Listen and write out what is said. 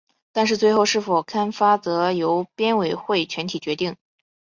但是最后是否刊发则由编委会全体决定。